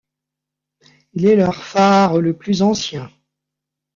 Il est leur phare le plus ancien.